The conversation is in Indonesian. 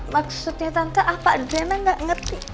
maksudnya tante apa diana gak ngerti